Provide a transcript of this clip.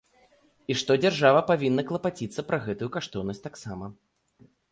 І што дзяржава павінна клапаціцца пра гэтую каштоўнасць таксама.